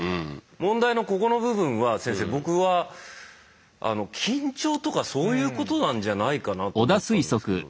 問題のここの部分は先生僕は緊張とかそういうことなんじゃないかなと思ったんですけど。